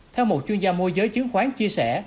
theo một chuyên gia mua giới chiến khoán chia sẻ